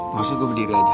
maksudnya gue berdiri aja